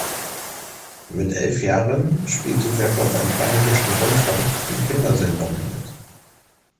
Mit elf Jahren spielte Wepper beim Bayerischen Rundfunk in Kindersendungen mit.